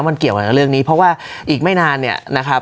มันเกี่ยวอะไรกับเรื่องนี้เพราะว่าอีกไม่นานเนี่ยนะครับ